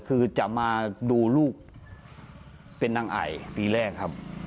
คือจะมาดูลูกเป็นนางไอปีแรกครับ